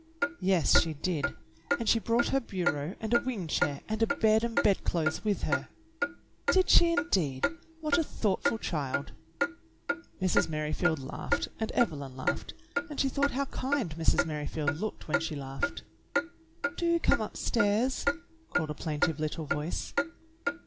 "Yes, she did, and she brought her bureau and a wing chair and a bed and bedclothes with her." "Did she, indeed.? What a thoughtful child!" Mrs. Merrifield laughed and Evelyn laughed, and she thought how kind Mrs. Merrifield looked when she laughed. "Do come upstairs," called a plaintive little voice.